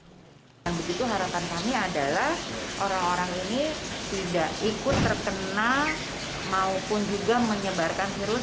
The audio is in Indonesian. dan begitu harapan kami adalah orang orang ini tidak ikut terkena maupun juga menyebarkan virus